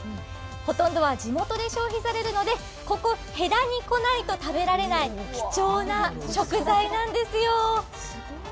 ほとんどは地元で消費されるので、ここ戸田に来ないと食べられない貴重な食材なんですよ。